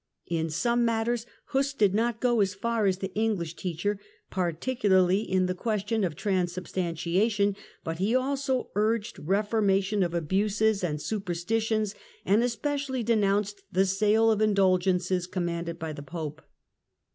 In some matters Huss did not go so far as the English teacher, par ticularly in the question of transubstantiation, but he also urged reformation of abuses and superstitions and especially denounced the sale of indulgences com manded by the Pope.